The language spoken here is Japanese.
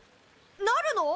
なるの！？